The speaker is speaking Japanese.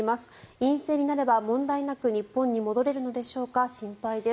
陰性になれば、問題なく日本に戻れるのでしょうか心配です。